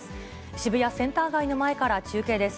渋谷センター街の前から中継です。